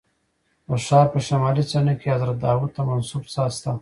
د ښار په شمالي څنډه کې حضرت داود ته منسوب څاه شته.